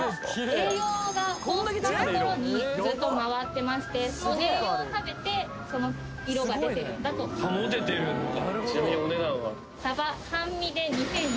栄養が豊富な所にずっと回ってましてその栄養を食べてその色が出てるんだと保ててるんだ